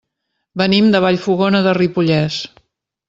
Venim de Vallfogona de Ripollès.